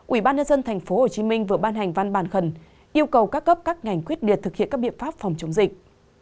ủy ban nhân dân tp hcm vừa ban hành văn bản khẩn yêu cầu các cấp các ngành quyết liệt thực hiện các biện pháp phòng chống dịch